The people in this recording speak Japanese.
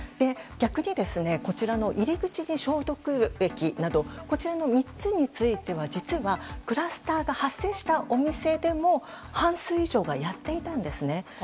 逆に、こちらの入り口に消毒液などこちらの３つについては実はクラスターが発生したお店でも半数以上がやっていたんですね。